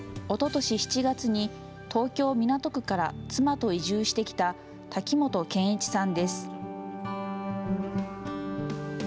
おととし７月に、東京・港区から妻と移住してきた滝本謙一さんです。